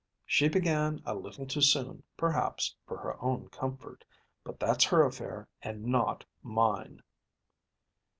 She began a little too soon, perhaps, for her own comfort; but that's her affair and not mine."